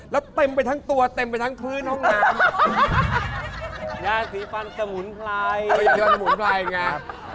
แล้วเต็มไปทั้งตัวเต็มไปทั้งพื้นห้องน้ำยาสีฟันสมุนไพรยอนสมุนไพรไง